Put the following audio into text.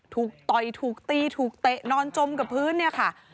ต่อยถูกตีถูกเตะนอนจมกับพื้นเนี่ยค่ะ